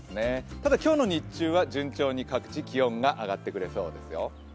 ただ、今日の日中は順調に各地上がっていきそうですよ。